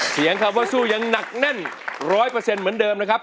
เสียงคำว่าสู้ยังหนักแน่น๑๐๐เหมือนเดิมนะครับ